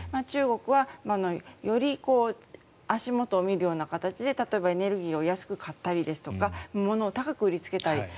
中国はより足元を見るような形で例えばエネルギーを安く買ったりものを高く売りつけたり。